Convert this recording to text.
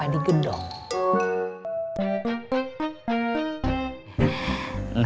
ayah makan setau